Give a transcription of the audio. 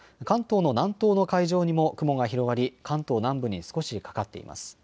関東の南東の海上にも雲が広がり、関東南部に少しかかっています。